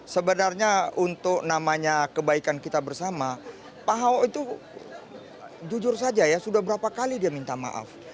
sebenarnya untuk namanya kebaikan kita bersama pak ahok itu jujur saja ya sudah berapa kali dia minta maaf